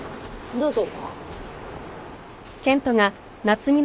どうぞ。